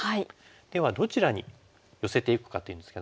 ではどちらに寄せていくかっていうんですけども。